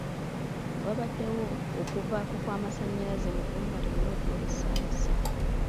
Wabaddewo okuvaako kw'amasannyalaze mu ggwanga lyonna okumala essaawa ssatu.